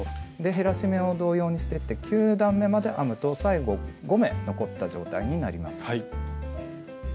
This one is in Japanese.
減らし目を同様にしていって９段めまで編むと最後５目残った状態になります。